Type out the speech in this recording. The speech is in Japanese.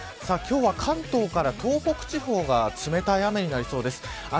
今日は関東から東北地方が冷たい雨になりそうです。